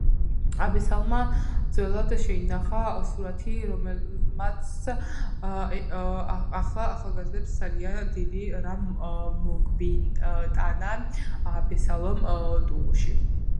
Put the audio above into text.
აბესალმა ძველად შეინახა სურათი რომელმაც ეხლა ახალგაზრდებს ძალიან დიდი რამ მოგვიტანააბესალომ ტუღუში